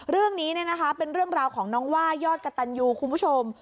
เรื่องนี้เป็นเรื่องราวของน้องว่ายอดกระตันยูคุณผู้ชม